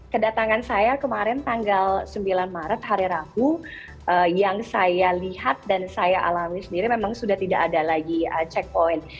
kedatangan saya kemarin tanggal sembilan maret hari rabu yang saya lihat dan saya alami sendiri memang sudah tidak ada lagi checkpoint